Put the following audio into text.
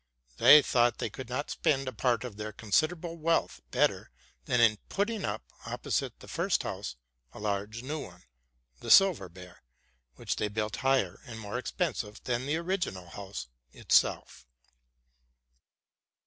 They thought they could not spend a part of their considerable wealth better than in putting up, opposite the first house, a large new one, the Sil ver Bear, which they built higher and more extensive than the original house itself.